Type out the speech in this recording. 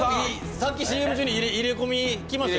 さっきＣＭ中に入れ込みきましたよ